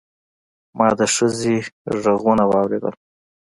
ما د ښځې غږونه واورېدل.